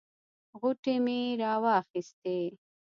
غوټې مې راواخیستې.